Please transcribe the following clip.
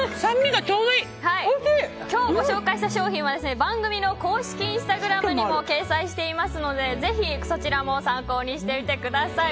今日ご紹介した商品は番組の公式インスタグラムにも掲載していますのでぜひ、そちらも参考にしてみてください。